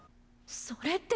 それって。